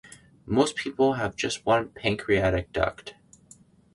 Most people have just one pancreatic duct.